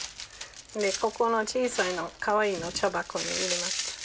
ここの小さいのかわいいの茶箱に入れます。